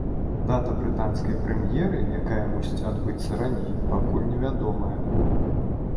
Дата брытанскай прэм'еры, якая мусіць адбыцца раней, пакуль невядомая.